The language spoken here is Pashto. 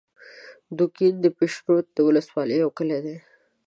دوکین د پشترود د ولسوالۍ یو کلی دی